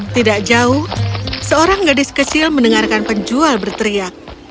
tidak jauh seorang gadis kecil mendengarkan penjual berteriak